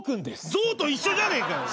ぞうと一緒じゃねえかよ！